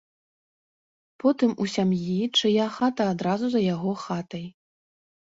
Потым у сям'і, чыя хата адразу за яго хатай.